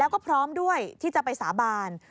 แล้วก็พร้อมด้วยที่จะไปสาบาน